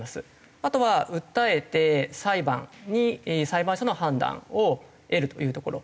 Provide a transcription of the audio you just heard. あとは訴えて裁判に裁判所の判断を得るというところ訴訟ですね。